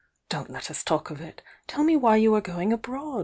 Don't let us talk of iti teU me w^y ^^ are going abroad?